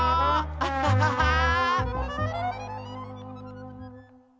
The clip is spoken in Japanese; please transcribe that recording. アッハハハー！